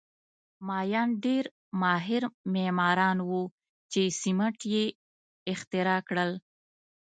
مایان ډېر ماهر معماران وو چې سیمنټ یې اختراع کړل